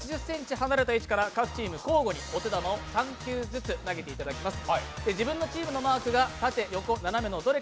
離れた位置から交互にお手玉を３球ずつ投げていただきます。